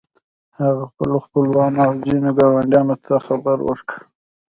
هغه خپلو خپلوانو او ځينو ګاونډيانو ته خبر ورکړ.